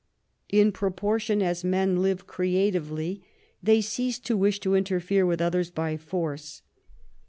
In proportion as men live creatively, they cease to wish to interfere with others by force.